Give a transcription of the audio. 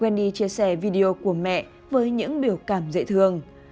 wendy chia sẻ video của mẹ với những biểu cảm dễ thương